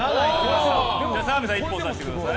澤部さん、１本刺してください。